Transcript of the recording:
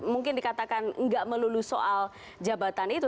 mungkin dikatakan nggak melulu soal jabatan itu